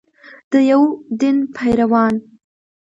د یو دین پیروان.